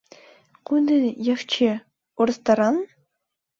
Куды яшчэ, у рэстаран?